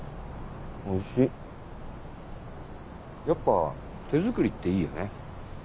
やっぱ手作りっていいよね。